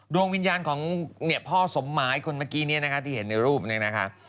ดวงวิญญาณของพ่อสมหมายคนเมื่อกี้นี้นะคะที่เห็นในรูปนี้นะคะ